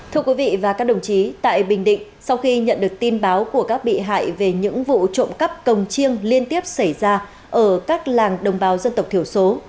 thưa quý vị và các đồng chí tại bình định sau khi nhận được tin báo của các bị hại về những vụ trộm cắp cồng chiêng liên tiếp xảy ra ở các làng đồng bào dân tộc thiểu số